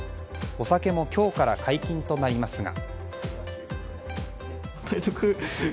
お酒も今日から解禁となりますが。